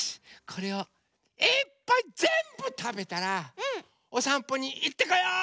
これをいっぱいぜんぶたべたらおさんぽにいってこよう！